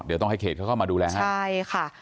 เดี๋ยวต้องให้เขตเข้ามาดูแลให้